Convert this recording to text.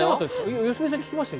良純さんに聞きましたよ